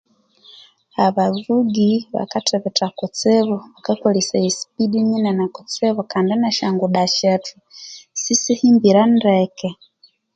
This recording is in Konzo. Aba babugi bakathibitha kustibu bakakolesaya sipidi nyinene kutsibu kandi nesya nguda syethu sisihimbire ndeke.